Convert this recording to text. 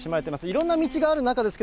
いろんな道がある中ですけ